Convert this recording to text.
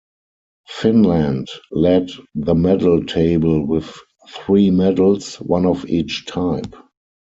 Finland led the medal table with three medals, one of each type.